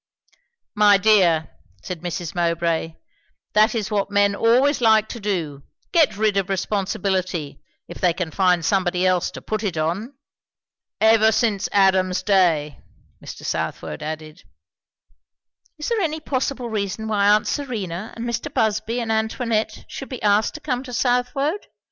"My dear," said Mrs. Mowbray, "that is what men always like to do get rid of responsibility if they can find somebody else to put it on." "Ever since Adam's day " Mr. Southwode added. "Is there any possible reason why aunt Serena, and Mr. Busby and Antoinette, should be asked to come to Southwode?